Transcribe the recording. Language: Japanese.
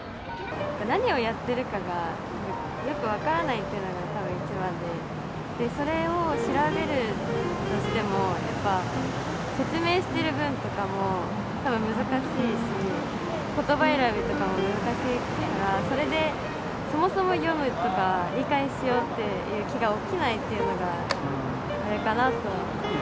何をやってるかがよく分からないっていうのが一番で、それを調べるとしても、説明している文とかも難しいし、言葉選びとかも難しいからそもそも読むとか理解しようっていう気が起きないのがあれかなと思って。